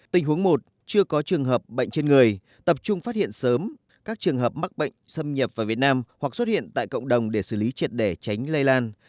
tình huống một chưa có trường hợp bệnh trên người tập trung phát hiện sớm các trường hợp mắc bệnh xâm nhập vào việt nam hoặc xuất hiện tại cộng đồng để xử lý triệt để tránh lây lan